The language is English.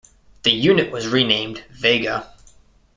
The unit was renamed Vega.